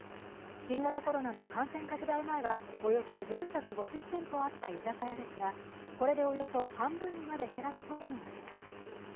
新型コロナの感染拡大前はおよそ４５０店舗あった居酒屋ですが、これでおよそ半分にまで減らすことになります。